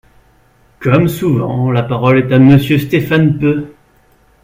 Comme souvent, La parole est à Monsieur Stéphane Peu.